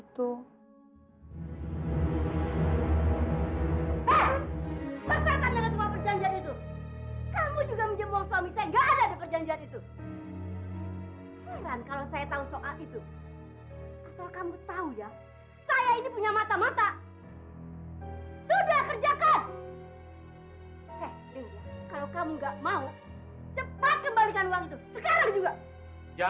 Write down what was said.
saya mau aisyah